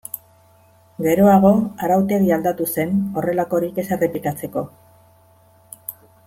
Geroago arautegia aldatu zen horrelakorik ez errepikatzeko.